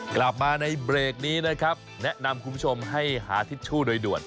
กลับมาในเบรกนี้นะครับแนะนำคุณผู้ชมให้หาทิชชู่โดยด่วน